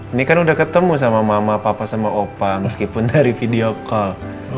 ini kan udah ketemu sama mama papa sama opa meskipun dari video call